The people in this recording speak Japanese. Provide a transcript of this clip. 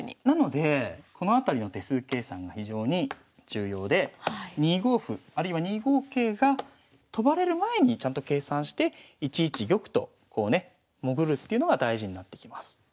なのでこのあたりの手数計算が非常に重要で２五歩あるいは２五桂が跳ばれる前にちゃんと計算して１一玉とこうね潜るっていうのが大事になってきます。